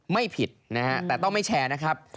ไม่ผิดนะฮะแต่ต้องไม่แชร์นะครับ